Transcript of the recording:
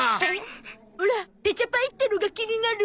オラペチャパイってのが気になる。